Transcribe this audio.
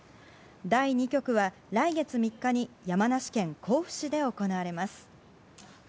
第２局は、来月３日に山梨県甲府市で行われます。